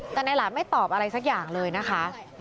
แต่นายหลานไม่ตอบอะไรสักอย่างเลยนะคะ